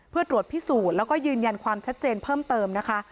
เพื่อตรวจพิสูจน์แล้วก็ยืนยันความชัดเจนเพิ่มเติมนะคะ